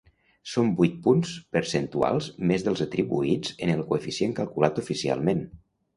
Són vuit punts percentuals més dels atribuïts en el coeficient calculat oficialment.